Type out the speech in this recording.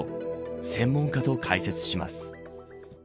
専門家と解説します。